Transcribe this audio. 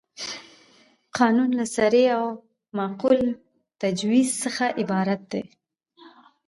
قانون له صریح او معقول تجویز څخه عبارت دی.